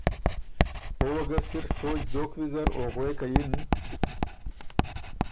او وه ګه سِر سوچ دوک ویزر او غوېکه یِن۔